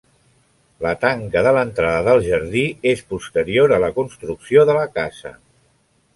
La tanca de l'entrada del jardí és posterior a la construcció de la casa.